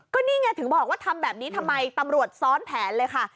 ก็นี่ไงถึงบอกว่าทำแบบนี้ทำไมตำรวจซ้อนแผนเลยค่ะ